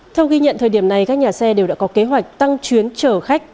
theo ghi nhận thời điểm này các nhà xe đều đã có kế hoạch tăng chuyến chở khách